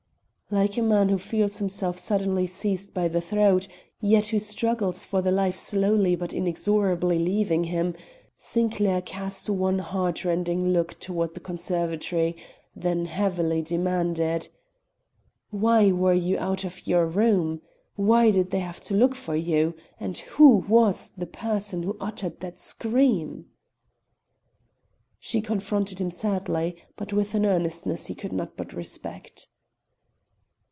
Like a man who feels himself suddenly seized by the throat, yet who struggles for the life slowly but inexorably leaving him, Sinclair cast one heartrending look toward the conservatory, then heavily demanded: "Why were you out of your room? Why did they have to look for you? And who was the person who uttered that scream?" She confronted him sadly, but with an earnestness he could not but respect.